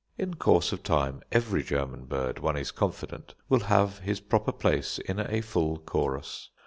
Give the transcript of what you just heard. In course of time every German bird, one is confident, will have his proper place in a full chorus.